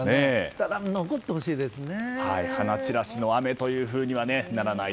ただ、残ってほしいですね。